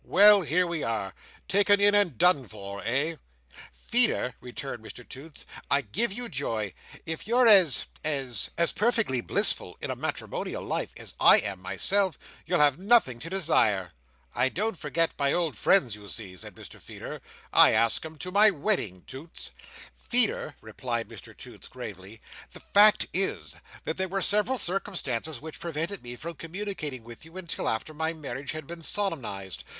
"Well! Here we are! Taken in and done for. Eh?" "Feeder," returned Mr Toots. "I give you joy. If you're as—as—as perfectly blissful in a matrimonial life, as I am myself, you'll have nothing to desire." "I don't forget my old friends, you see," said Mr Feeder. "I ask em to my wedding, Toots." "Feeder," replied Mr Toots gravely, "the fact is, that there were several circumstances which prevented me from communicating with you until after my marriage had been solemnised.